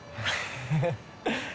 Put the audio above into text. フフフ。